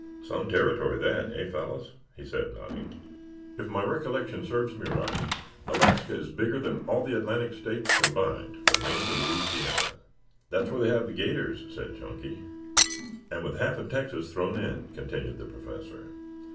"Some territory that, eh, fellows?" he said, nodding. "If my recollection serves me right, Alaska is bigger than all the Atlantic states combined from Maine to Louisiana." "That's where they have the 'gators," said Chunky. "And with half of Texas thrown in," continued the Professor.